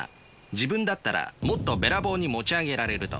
自分だったらもっとべらぼうに持ち上げられると。